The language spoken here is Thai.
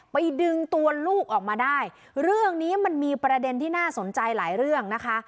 ดึงตัวลูกออกมาได้เรื่องนี้มันมีประเด็นที่น่าสนใจหลายเรื่องนะคะ